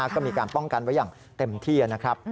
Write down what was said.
ก็มีการป้องกันไว้อย่างเต็มที่นะครับ